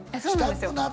そうなんですよ